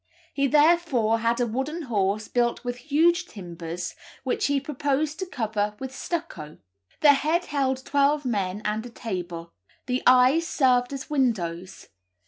He therefore had a wooden horse built with huge timbers, which he proposed to cover with stucco. The head held twelve men and a table; the eyes served as windows.